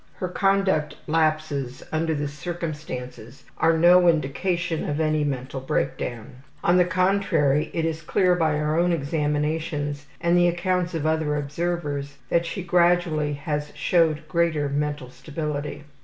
Her conduct lapses, under the circumstances, are no indication of any mental breakdown. On the contrary, it is clear by our own examinations and the accounts of other observers that she gradually has showed greater mental stability.